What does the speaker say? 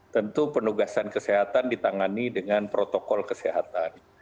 tentu penugasan kesehatan ditangani dengan protokol kesehatan